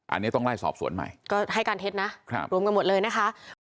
อันนี้ต้องไล่สอบสวนใหม่ก็ให้การเท็จนะรวมกันหมดเลยนะคะ